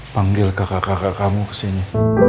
panggil kakak kakak kamu kesini